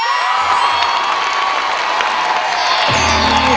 ร้องได้ให้ร้อง